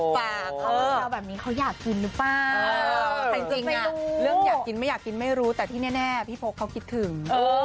ปากคำแบบนี้เขาอยากกินหรือเปล่าแต่จริงเรื่องอยากกินไม่อยากกินไม่รู้แต่ที่แน่พี่พกเขาคิดถึง